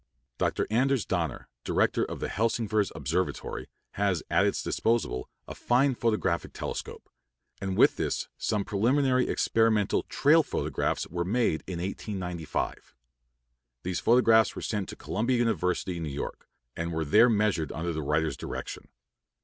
Dr. Anders Donner, Director of the Helsingfors Observatory, has at its disposal a fine photographic telescope, and with this some preliminary experimental "trail" photographs were made in 1895. These photographs were sent to Columbia University, New York, and were there measured under the writer's direction.